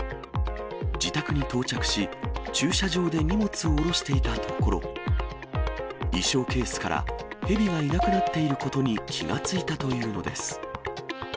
自宅に到着し、駐車場で荷物を降ろしていたところ、衣装ケースからヘビがいなくなっていることに気が付いたというのです。